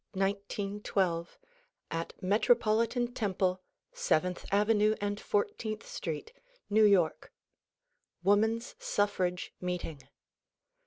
VI May 20, 1912, at Metropolitan Temple, Seventh Avenue and Fourteenth St., New York. Woman's Suffrage Meeting.